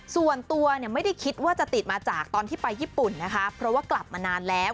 ส่วนตัวเนี่ยไม่ได้คิดว่าจะติดมาจากตอนที่ไปญี่ปุ่นนะคะเพราะว่ากลับมานานแล้ว